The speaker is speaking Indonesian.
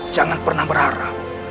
jangan pernah berharap